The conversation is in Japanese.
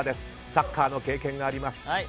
サッカーの経験があります。